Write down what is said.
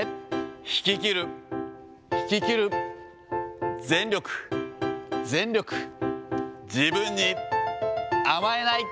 引ききる、引ききる、全力、全力、自分に甘えない。